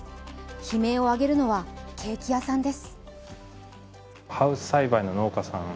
悲鳴を上げるのはケーキ屋さんです。